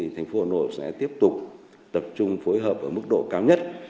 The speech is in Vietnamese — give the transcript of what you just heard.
thành phố hà nội sẽ tiếp tục tập trung phối hợp ở mức độ cao nhất